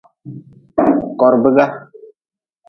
Korbiga.